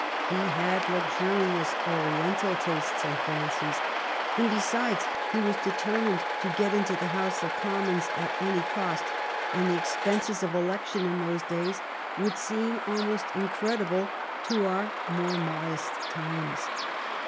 He had luxurious Oriental tastes and fancies, and, besides, he was determined to get into the House of Commons at any cost, and the expenses of election in those days would seem almost incredible to our more modest times.